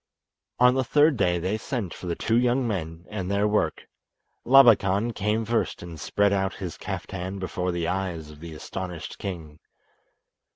On the third day they sent for the two young men and their work. Labakan came first and spread out his kaftan before the eyes of the astonished king.